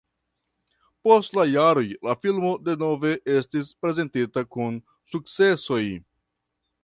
Post jaroj la filmo denove estis prezentita kun sukcesoj.